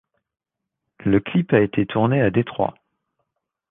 Le clip a été tourné à Détroit.